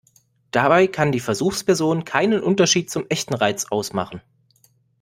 Dabei kann die Versuchsperson keinen Unterschied zum echten Reiz ausmachen.